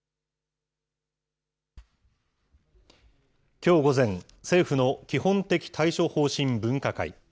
きょう午前、政府の基本的対処方針分科会。